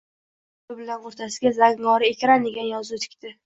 Oʻz qoʻli bilan oʻrtasiga “Zangori ekran ” degan yozuv tikdi